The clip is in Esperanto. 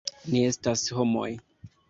Ni estas homoj.